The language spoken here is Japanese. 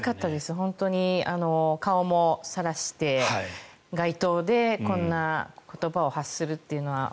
本当に顔もさらして、街頭でこんな言葉を発するというのは。